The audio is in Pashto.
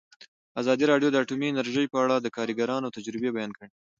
ازادي راډیو د اټومي انرژي په اړه د کارګرانو تجربې بیان کړي.